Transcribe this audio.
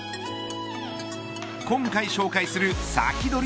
今回紹介するサキドリ！